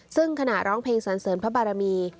ซึ่งขณะร้องเพลงสันเสริมพระบารมี